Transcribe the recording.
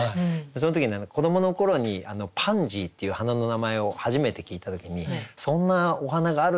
その時に子どもの頃にパンジーっていう花の名前を初めて聞いた時にそんなお花があるんだって思って。